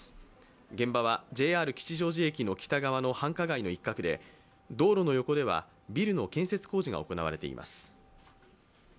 現場はＪＲ吉祥駅の北側の繁華街の一角で道路の横ではビルの建設工事が行われています。